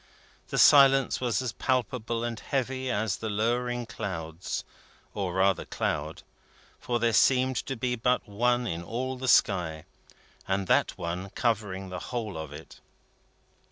The silence was as palpable and heavy as the lowering clouds or rather cloud, for there seemed to be but one in all the sky, and that one covering the whole of it.